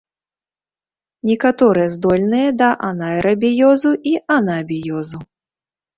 Некаторыя здольныя да анаэрабіёзу і анабіёзу.